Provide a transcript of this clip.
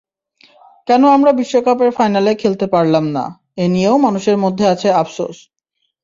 কেন আমরা বিশ্বকাপের ফাইনালে খেলতে পারলাম না—এ নিয়েও মানুষের মধ্যে আছে আফসোস।